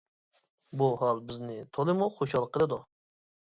بۇ ھال بىزنى تولىمۇ خۇشال قىلىدۇ.